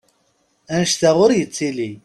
Annect-a ur yettili!